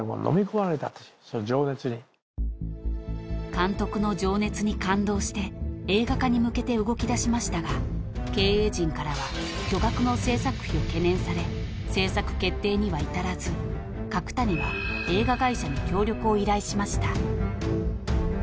［監督の情熱に感動して映画化に向けて動きだしましたが経営陣からは巨額の製作費を懸念され製作決定には至らず角谷は］金つくってきたよ。